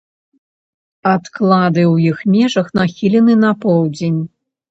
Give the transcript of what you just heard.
Адклады ў іх межах нахілены на поўдзень.